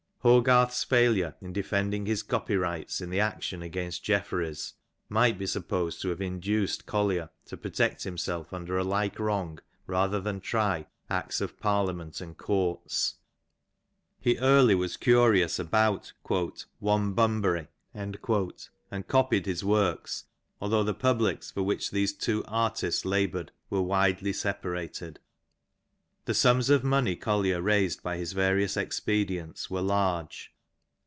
Hogarth's failure in defending his copy rights in the action against Jeffereys might be supposed to have induced Collier to protect himself under a like wrong rather than try Acts of Parliament and Courts. He early was curious about ON THE SOUTH LANCASHIRB DIALECT. 53 *'one Bunbuiy/^ and copied his works^ although the publics for which these two artists laboured were widely separated. The sums of money Collier raised by his various expedients were large.